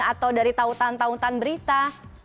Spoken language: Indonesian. atau dari tautan tautan berita